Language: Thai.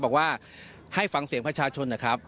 บอกว่าให้ฟังเสียงประชาชนนะครับ